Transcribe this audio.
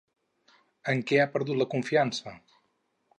En què ha perdut la confiança?